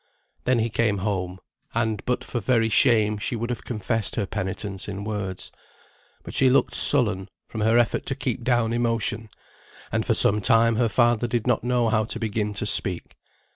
Then he came home; and but for very shame she would have confessed her penitence in words. But she looked sullen, from her effort to keep down emotion; and for some time her father did not know how to begin to speak.